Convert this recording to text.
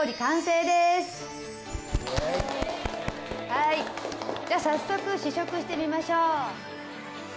はいじゃあ早速試食してみましょう。